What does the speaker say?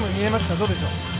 どうでしょう？